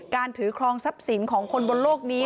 ความทรัพย์สินของคนบนโลกนี้